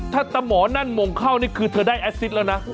ถ้าตะหมอนั่นมงเข้านี่คือเธอได้แอดซิตแล้วนะ